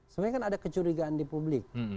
sebenarnya kan ada kecurigaan di publik